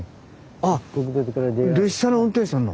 あっ列車の運転士さんの。